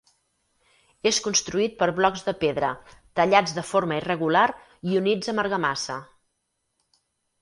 És construït per blocs de pedra tallats de forma irregular i units amb argamassa.